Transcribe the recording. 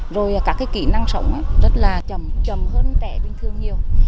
rồi các cái kỹ năng sống rất là chầm chầm hơn trẻ bình thường nhiều